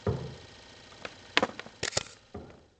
আসবে, সে এক সময় এগিয়ে আসবে তার কাছে।